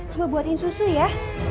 apa buatin susu ya